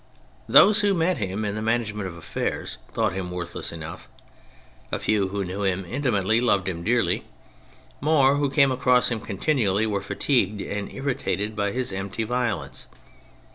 Those who met him in the management of affairs thought him worthless enough; a few who knew him intimately loved him dearly; more who came across him continually were fatigued and irritated by his empty violence.